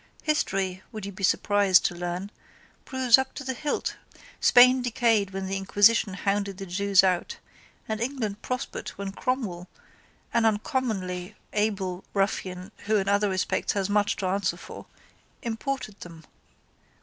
History, would you be surprised to learn, proves up to the hilt Spain decayed when the inquisition hounded the jews out and England prospered when Cromwell, an uncommonly able ruffian who in other respects has much to answer for, imported them.